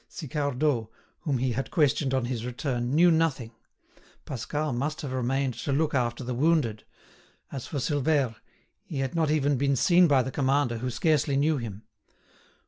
Sicardot, whom he had questioned on his return, knew nothing; Pascal must have remained to look after the wounded; as for Silvère, he had not even been seen by the commander, who scarcely knew him.